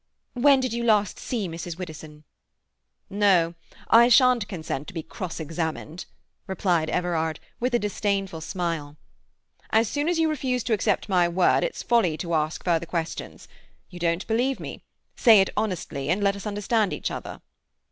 "When did you last see Mrs. Widdowson?" "No, I shan't consent to be cross examined," replied Everard, with a disdainful smile. "As soon as you refuse to accept my word it's folly to ask further questions. You don't believe me. Say it honestly and let us understand each other."